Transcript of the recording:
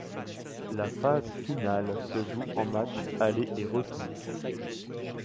La phase finale se joue en matchs aller et retour.